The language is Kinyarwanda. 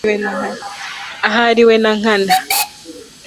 ahariwe nankana